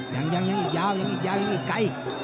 ยังยังอีกยาวยังอีกไกล